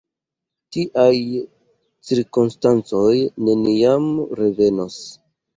Tiaj cirkonstancoj neniam revenos.